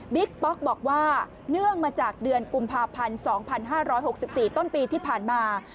ป๊อกบอกว่าเนื่องมาจากเดือนกุมภาพันธ์๒๕๖๔ต้นปีที่ผ่านมา